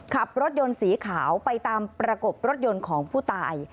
ขับรถยนต์สีขาวไปตามประกบรถยนต์ของผู้ตาย